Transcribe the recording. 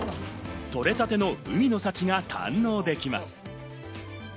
とれたての海の幸が堪能できます。